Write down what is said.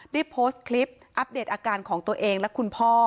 ได้โพสต์คลิปอัปเดตอาการของตัวเองและคุณพ่อ